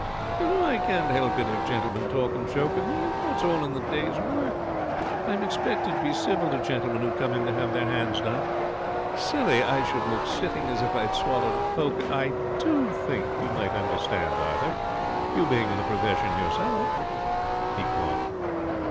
You know I can't help it if gentlemen talk and joke with me. You know it's all in the day's work. I'm expected to be civil to gentlemen who come in to have their hands done. Silly I should look sitting as if I'd swallowed a poker. I do think you might understand, Arthur, you being in the profession yourself.' He coughed.